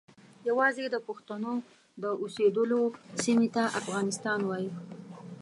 یوازې د پښتنو د اوسیدلو سیمې ته افغانستان وایي.